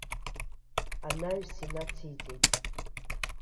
Анаҩс инациҵеит.